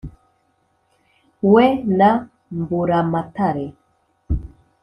We na Mburamatare;